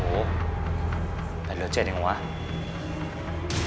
โห้ไม่เลยเจ็ดยังไงวะ